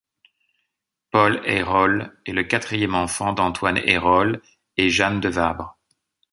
Paul Ayroles est le quatrième enfant d'Antoine Ayroles et Jeanne de Vabre.